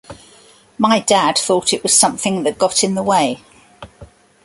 My dad thought it was something that got in the way.